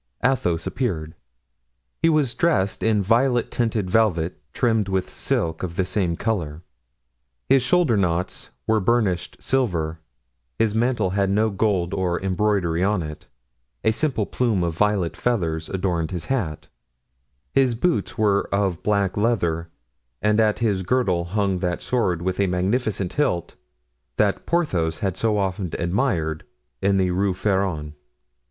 Athos appeared. He was dressed in violet tinted velvet, trimmed with silk of the same color. His shoulder knots were of burnished silver, his mantle had no gold nor embroidery on it; a simple plume of violet feathers adorned his hat; his boots were of black leather, and at his girdle hung that sword with a magnificent hilt that Porthos had so often admired in the Rue Feron.